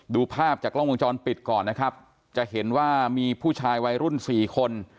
ดูภาพจากกล้องวงจรปิดก่อนนะครับจะเห็นว่ามีผู้ชายวัยรุ่นสี่คน